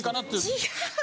違う！